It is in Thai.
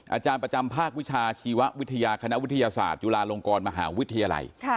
อาจารย์ประจำภาควิชาชีววิทยาคณะวิทยาศาสตร์จุฬาลงกรมหาวิทยาลัย